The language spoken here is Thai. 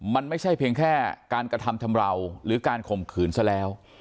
มันไม่ใช่เพียงแค่การกระทำชำราวหรือการข่มขืนซะแล้ว